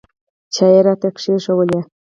چای یې راته کښېښوولې.